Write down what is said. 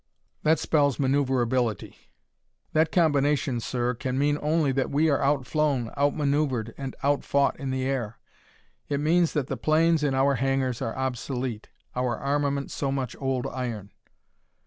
That spells maneuverability. "That combination, sir, can mean only that we are out flown, out maneuvered and out fought in the air. It means that the planes in our hangars are obsolete, our armament so much old iron.